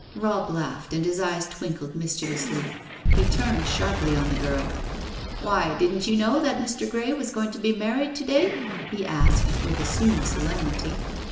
Robb laughed and his eyes twinkled mischievously. He turned sharply on the girl. "Why, didn't you know that Mr. Grey was going to be married to day?" he asked, with assumed solemnity.